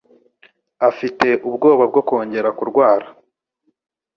Afite ubwoba bwo kongera kurwara.